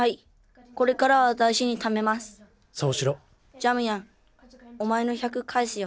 ジャムヤンお前の１００かえすよ。